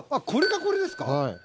これがこれですか？